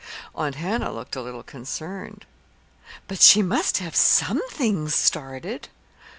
Aunt Hannah looked a little concerned. "But she must have some things started!"